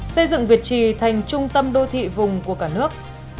xây dựng việt trì thành trung tâm đô thị vùng của cả nước